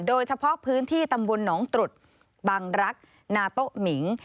โดยเฉพาะพื้นที่ตำบลหนองตรุษบังรักนาโต๊ะหมิง